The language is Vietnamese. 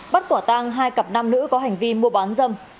bắt quả tang hai cặp nam nữ có hành vi môi giới mại dâm